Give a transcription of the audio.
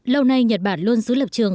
lâu nay nhật bản luôn giữ lập trường